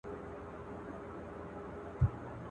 نه په غم کي د مېږیانو د غمونو.